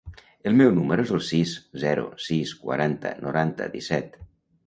El meu número es el sis, zero, sis, quaranta, noranta, disset.